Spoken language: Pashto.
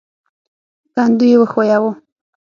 کندو يې وښوياوه.